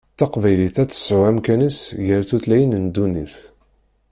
Taqbaylit ad tesɛu amkan-is gar tutlayin n ddunit.